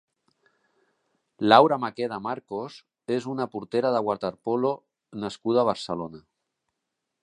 Laura Maqueda Marcos és una portera de waterpolo nascuda a Barcelona.